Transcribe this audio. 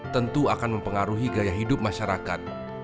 tentu akan mempengaruhi gaya hidup masyarakat